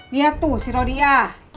lihat tuh si rodia